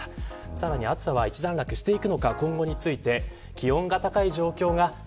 さらに暑さは一段落していくのか今後について。